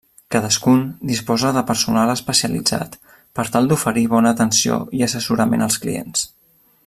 Cadascun disposa de personal especialitzat per tal d'oferir bona atenció i assessorament als clients.